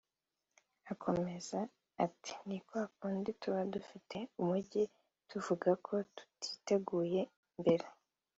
Akomeza ati” Ni kwa kundi tuba dufite umujyi tuvuga ko tutiteguye mbere